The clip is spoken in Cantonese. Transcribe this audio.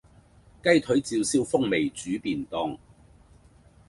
雞腿照燒風味煮便當